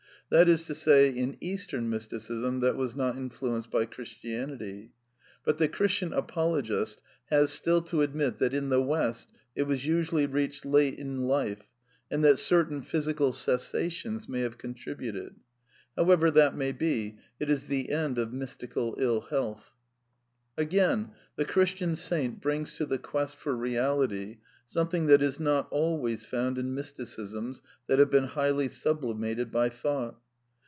That is to say, in Eastern Mysticism that was not influenced by Christianity.*^* But the Christian apol ogist has still to admit that in the West it was usually reached late in life, and that certain physical cessations may have contributed. However that may be, it is the end of " mystical ill health." Again, the Christian saint brings to the quest for Eeality something that is not always found in mysticisms that have been highly sublimated by thought.